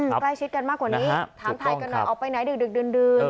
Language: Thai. ใกล้ชิดกันมากกว่านี้ถามถ่ายกันหน่อยออกไปไหนดึกดื่น